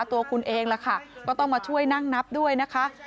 ตัวคุณเองล่ะค่ะก็ต้องมาช่วยนั่งนับด้วยนะคะ